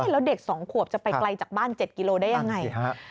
แล้วเด็ก๒ขวบจะไปไกลจากบ้าน๗กิโลได้ยังไง